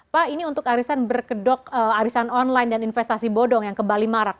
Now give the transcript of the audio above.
pak ini untuk arisan berkedok arisan online dan investasi bodong yang kembali marak